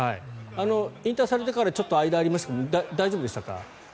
引退されてからちょっと間がありましたが大丈夫でしたか？